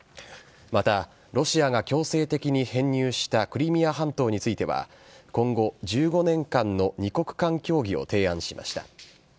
また、ロシアが強制的に編入したクリミア半島については、今後、１５年間の２国間協議を提案しました。